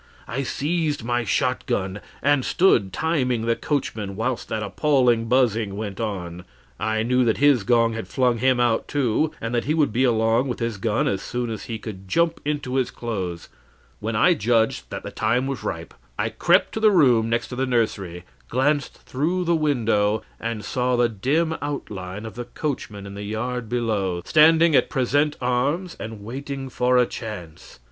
I seized my shotgun, and stood timing the coachman whilst that appalling buzzing went on. I knew that his gong had flung him out, too, and that he would be along with his gun as soon as he could jump into his clothes. When I judged that the time was ripe, I crept to the room next the nursery, glanced through the window, and saw the dim outline of the coachman in the yard below, standing at present arms and waiting for a chance.